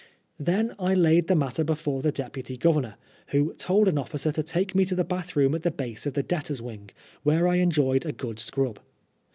Then I laid the matter before the Deputy Oovemor, who told an officer to take me to the baUi room at the base of the debtor's wing, where I enjoyed a good scrub.